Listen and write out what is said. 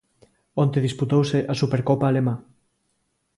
Onte disputouse a Supercopa alemá.